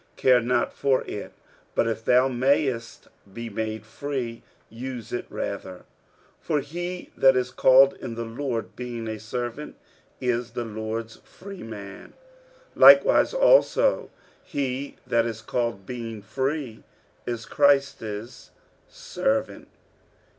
care not for it: but if thou mayest be made free, use it rather. 46:007:022 For he that is called in the Lord, being a servant, is the Lord's freeman: likewise also he that is called, being free, is Christ's servant.